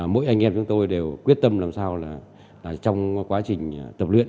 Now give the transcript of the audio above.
mỗi anh em chúng tôi đều quyết tâm làm sao là trong quá trình tập luyện